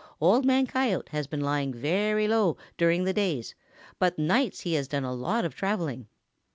"Old Man Coyote has been lying very low during the days, but nights he has done a lot of traveling.